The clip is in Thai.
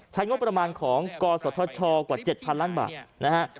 ใช้งบประมาณของกศธชกว่า๗๐๐ล้านบาทนะฮะ